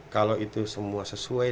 kalau itu semua sesuai